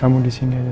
kamu di sini aja